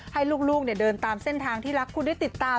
ให้ลูกเดินตามเส้นทางที่รักคุณได้ติดตาม